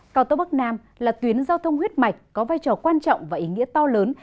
cao tốc bắc nam là tuyến giao thông huyết mạch có vai trò quan trọng và ý nghĩa to lớn